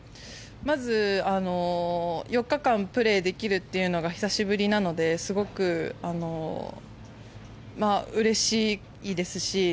まず４日間プレーできるというのが久しぶりなのですごくうれしいですし。